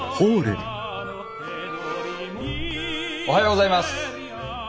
おはようございます。